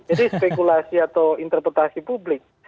jadi spekulasi atau interpretasi publik